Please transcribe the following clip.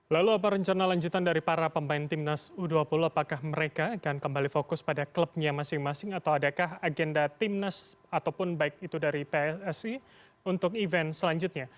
lalu apa rencana lanjutan dari para pemain timnas u dua puluh apakah mereka akan kembali fokus pada klubnya masing masing atau adakah agenda timnas ataupun baik itu dari pssi untuk event selanjutnya